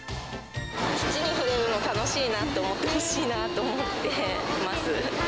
土に触れるの楽しいなと思ってほしいなと思っています。